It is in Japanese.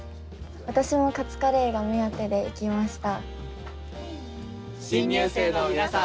私もカツカレーが目当てで行きました。